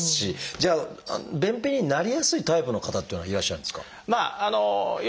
じゃあ便秘になりやすいタイプの方っていうのはいらっしゃるんですか？